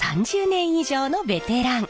３０年以上のベテラン！